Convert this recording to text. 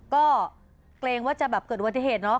ก็เกรงว่าจะเกิดวัตเทศเนอะ